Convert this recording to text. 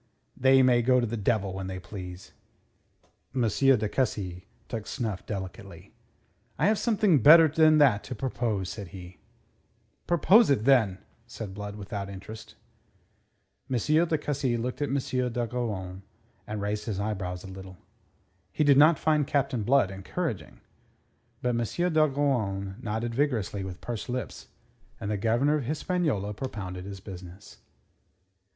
"They may go to the devil when they please." M. de Cussy took snuff delicately. "I have something better than that to propose," said he. "Propose it, then," said Blood, without interest. M. de Cussy looked at M. d'Ogeron, and raised his eyebrows a little. He did not find Captain Blood encouraging. But M. d'Ogeron nodded vigorously with pursed lips, and the Governor of Hispaniola propounded his business.